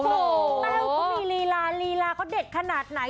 แป้วก็มีลีลาลีลาเขาเด็ดขนาดไหน